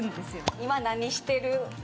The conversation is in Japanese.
今、何してる？